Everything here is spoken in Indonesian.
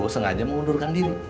sengaja mengundurkan diri